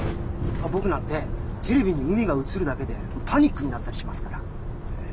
僕なんてテレビに海が映るだけでパニックになったりしますから。